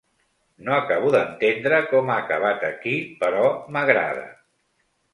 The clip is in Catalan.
No acabo d'entendre com ha acabat aquí però m'agrada.